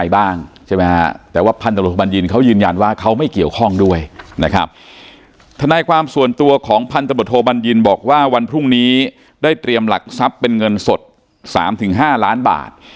พันธมธโมโทบัญญินบอกว่าวันพรุ่งนี้ได้เตรียมหลักทรัพย์เป็นเงินสด๓๕ล้านบาท